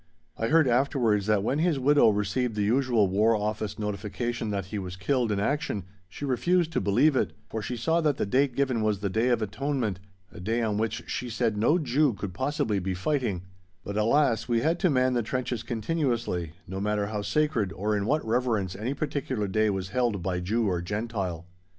I heard afterwards that when his widow received the usual War Office notification that he was killed in action, she refused to believe it, for she saw that the date given was the Day of Atonement, a day on which she said no Jew could possibly be fighting; but alas, we had to man the trenches continuously, no matter how sacred or in what reverence any particular day was held by Jew or Gentile.